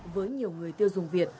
với nhiều người tiêu dùng việt